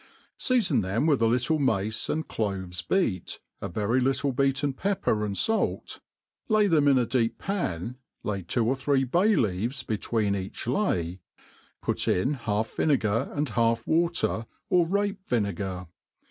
Seafon them with a little mace knd cloves beat, a very little beaten pepper and fait, lay themin a deep pan, lay two or three bsly leaves between each lay, put in half vinegar and* half wai ter, or rape«vinegar.